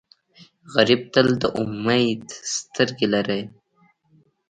غریب تل د امید سترګې لري